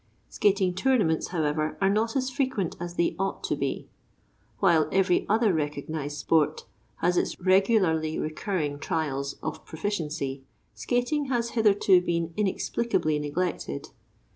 Skating tournaments, however, are not as frequent as they ought to be. While every other recognized sport has its regularly recurring trials of proficiency, skating has hitherto been inexplicably neglected.